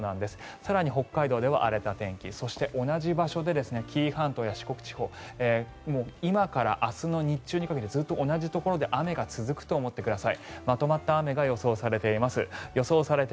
更に北海道では荒れた天気そして同じ場所で紀伊半島や四国地方もう今から明日の日中にかけてずっと同じところで雨が続くと思ってください。